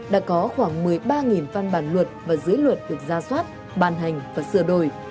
đã có khoảng một mươi ba văn bản luật và dưới luật được ra soát ban hành và sửa đổi